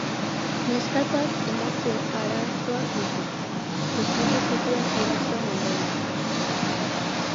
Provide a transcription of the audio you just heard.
Neskatoak emozio arazoak ditu, sufritu zituen erasoen ondorioz.